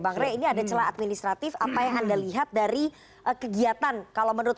bang rey ini ada celah administratif apa yang anda lihat dari kegiatan kalau menurut